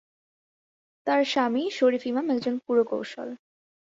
তার স্বামী শরীফ ইমাম একজন পুরকৌশল।